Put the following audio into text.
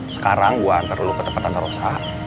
sekarang gua antar lu ke tempat tante rosa